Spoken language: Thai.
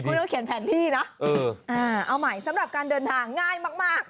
คุณต้องเขียนแผนที่นะเอาใหม่สำหรับการเดินทางง่ายมาก